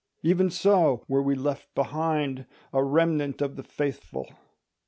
Even so were we left behind, a remnant of the faithful.